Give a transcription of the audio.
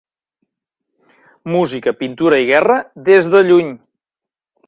Música, pintura i guerra, des de lluny.